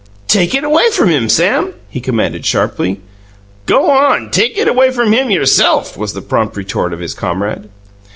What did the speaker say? "Take it away from him, Sam!" he commanded sharply. "Go on, take it away from him yourself!" was the prompt retort of his comrade.